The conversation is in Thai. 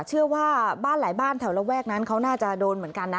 เชื่อว่าบ้านหลายบ้านแถวระแวกนั้นเขาน่าจะโดนเหมือนกันนะ